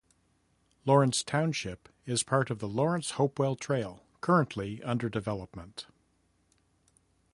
Lawrence Township is part of the Lawrence Hopewell Trail, currently under development.